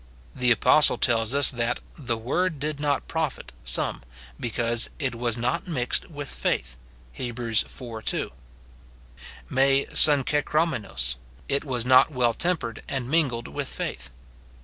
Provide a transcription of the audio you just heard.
The apostle tells us that " the word did not profit" some, because "it was not mixed with faith," Heb. iv. 2, — (U ' g ffu^xtxpafjisvoc. "it was not well tempered" and mingled with faith.